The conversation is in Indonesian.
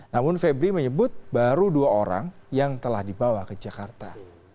namun febri menyebut baru dua orang yang telah dibawa ke jakarta